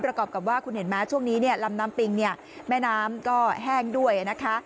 ประกอบกับว่าคุณเห็นไหมช่วงนี้เนี่ยลำน้ำปิงเนี่ยแม่น้ำก็แห้งด้วยนะคะ